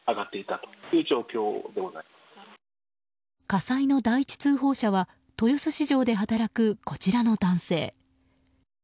火災の第一通報者は豊洲市場で働くこちらの男性。